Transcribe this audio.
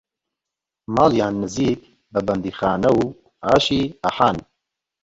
ماڵیان نێزیک بە بەندیخانەوو ئاشی ئەحان